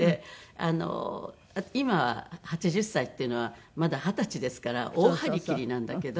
今８０歳っていうのはまだ二十歳ですから大張り切りなんだけど。